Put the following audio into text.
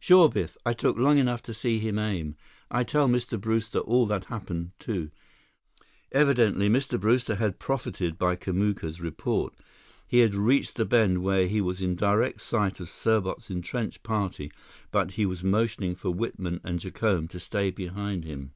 "Sure, Biff. I look long enough to see him aim. I tell Mr. Brewster all that happened, too." Evidently, Mr. Brewster had profited by Kamuka's report. He had reached the bend where he was in direct sight of Serbot's entrenched party, but he was motioning for Whitman and Jacome to stay behind him.